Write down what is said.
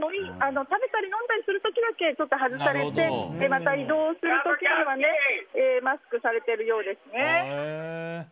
食べたり飲んだりする時だけ外されてまた移動する時にはマスクされてるようですね。